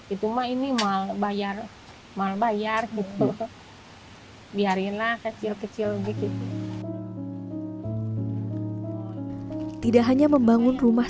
itu mah ini mal bayar mal bayar gitu biarin lah kecil kecil gitu tidak hanya membangun rumah